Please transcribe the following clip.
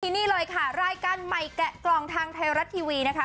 นี่เลยค่ะรายการใหม่แกะกล่องทางไทยรัฐทีวีนะคะ